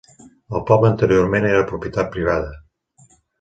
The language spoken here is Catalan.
El poble anteriorment era propietat privada.